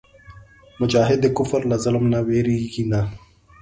مجاهد د کفر له ظلم نه وېرېږي نه.